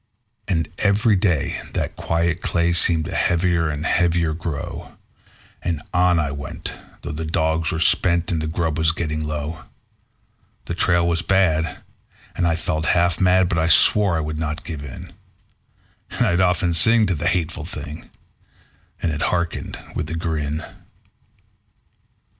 And every day that quiet clay seemed to heavy and heavier grow; And on I went, though the dogs were spent and the grub was getting low; The trail was bad, and I felt half mad, but I swore I would not give in; And I'd often sing to the hateful thing, and it hearkened with a grin.